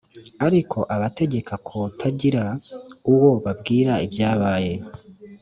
ariko abategeka kutagira uwo babwira ibyabaye.